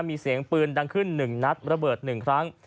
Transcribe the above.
มีเสียงปืนดังขึ้น๑นัดระเบิด๑ครั้ง